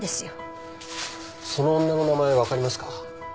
その女の名前わかりますか？